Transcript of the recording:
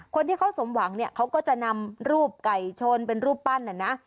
คนที่เขาสมหวังเนี่ยเขาก็จะนำรูปไก่ชนเป็นรูปปั้นน่ะนะ